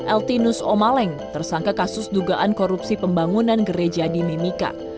eltinus omaleng tersangka kasus dugaan korupsi pembangunan gereja di mimika